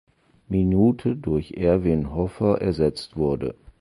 Minute durch Erwin Hoffer ersetzt wurde.